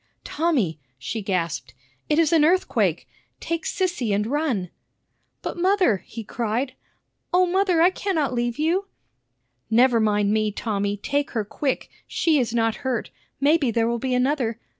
"Tommy," she gasped, "it is an earthquake! Take Sissy and run." "But, mother," he cried, "O mother, I cannot leave you!" "Never mind me, Tommy; take her quick! She is not hurt. Maybe there will be another.